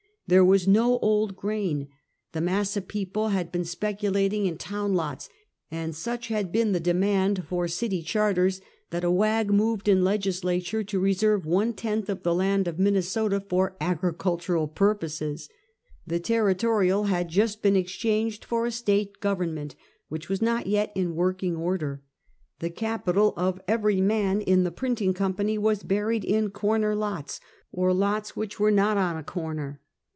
There was no old grain, the mass of people had been speculating in town lots, and such had been the demand for city char ters, that a wag moved in legislature to reserve one tenth of the land of Minnesota for agricultural pur j)Oses. The territorial had just been exchanged for a state government, which was not yet in working order. The capital of every man in the printing company was buried in corner lots, or lots which were not on a corner.